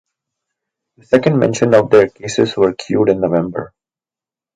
The second mention of their cases were queued in November.